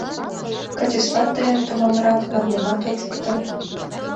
Качестват тыйын томамрак, нормымат от шукто.